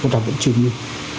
trong những chuyên nghiệp